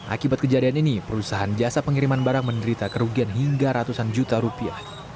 akibat kejadian ini perusahaan jasa pengiriman barang menderita kerugian hingga ratusan juta rupiah